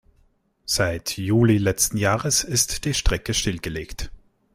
Seit Juli letzten Jahres ist die Strecke stillgelegt.